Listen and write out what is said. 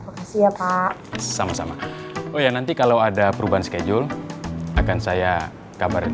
terbentang berarti kita bakal dapet uang yang banyak kok